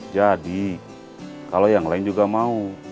jadi kalau yang lain juga mau